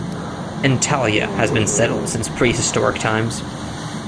Antalya has been settled since pre-historic times.